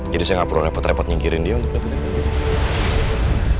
jadi saya gak perlu repot repot nyingkirin dia untuk nempetin dia